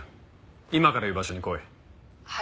今から言う場所に来い。